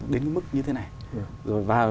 đến mức như thế này rồi vào